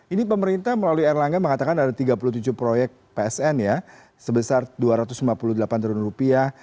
ini pemerintah melalui erlangga mengatakan ada tiga puluh tujuh proyek psn ya sebesar dua ratus lima puluh delapan triliun rupiah